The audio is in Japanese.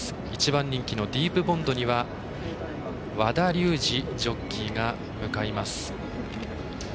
１番人気のディープボンドには和田竜二ジョッキーが向かいます。